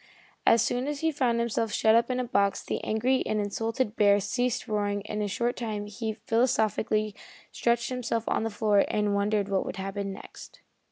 As soon as he found himself shut up in a box the angry and insulted bear ceased roaring and in a short time he philosophically stretched himself on the floor and wondered what would happen next.